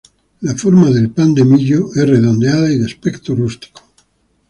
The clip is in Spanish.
La forma del pan de millo es redondeada y de aspecto rústico.